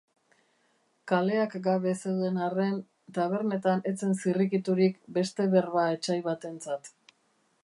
Kaleak gabe zeuden arren, tabernetan ez zen zirrikiturik beste berba etsai batentzat.